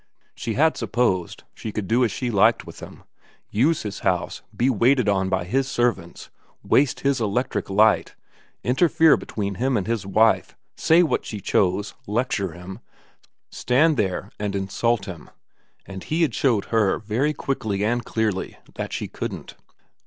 She had supposed she could do as she liked with him, use his house, be waited on by his servants, waste his electric light, interfere between 360 VERA 361 him and his wife, say what she chose, lecture him, stand there and insult him, and he had showed her very quickly and clearly that she couldn't.